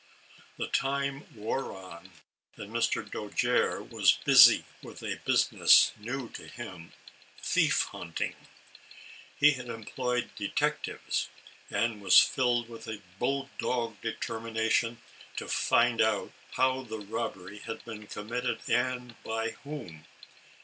The time wore on, and Mr. Dojere was busy with a business new to him — thief hunting. He had employed detectives, and was filled with a bull dog determination to find out how the rob bery had been committed, and by whom.